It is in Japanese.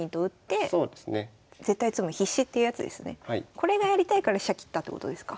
これがやりたいから飛車切ったってことですか？